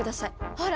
ほら！